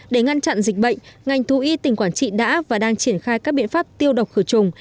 để ngăn chặn dịch bệnh ngành thú y tỉnh quảng trị đã và đang triển khai các biện pháp tiêu độc khử trùng